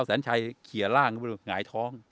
แสนชัยเขียร่างไปแบบหงายท้อง